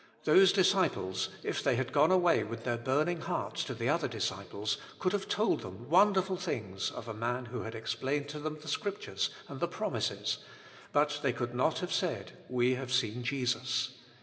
Those disciples, if they had gone away with their burning hearts to the other disci ples, could have told them wonderful things of a man who had explained to Je9U8 Himself, 33 them the Scriptures and the promises, but they could not have said, *«We have seen Jesus."